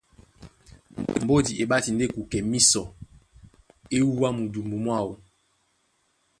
Mbódi e ɓáti ndé kukɛ mísɔ, e wúwa mundumbu mwáō.